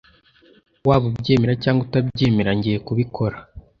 Waba ubyemera cyangwa utabyemera, ngiye kubikora.